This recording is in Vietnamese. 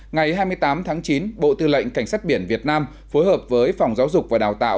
ngày hai mươi tám tháng chín bộ tư lệnh cảnh sát biển việt nam phối hợp với phòng giáo dục và đào tạo